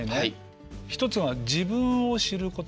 一つが自分を知る言葉。